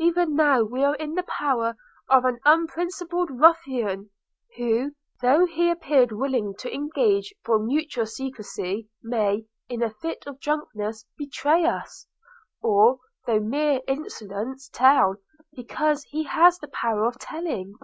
even now we are in the power of an unprincipled ruffian, who, though he appeared willing to engage for mutual secrecy, may, in a fit of drunkenness, betray us; or, through mere insolence, tell – because he has the power of telling.